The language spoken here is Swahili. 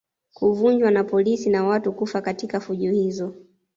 Kuvunjwa na polisi na watu kufa katika fujo hizo